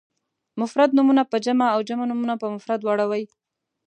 مفرد نومونه په جمع او جمع نومونه په مفرد واړوئ.